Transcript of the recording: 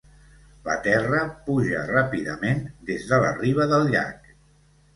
La terra puja ràpidament des de la riba del llac.